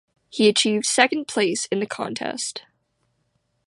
He achieved second place in the contest.